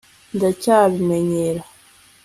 ndacyabimenyera